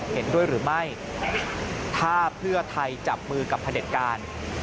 เห็นด้วยหรือไม่ถ้าเพื่อไทยจับมือกับพระเด็จการ